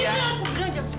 jangan sentuh aku